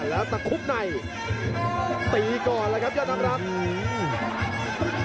แล้วตะคุบในตีก่อนเลยครับยอดนักอืม